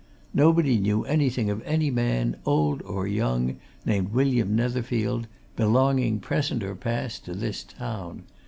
Nobody knew anything of any man, old or young, named William Netherfield, belonging, present or past, to this town.